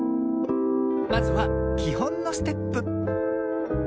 まずはきほんのステップ。